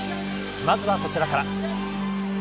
まずはこちらから。